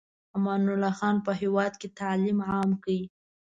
امان الله خان په هېواد کې تعلیم عام کړ.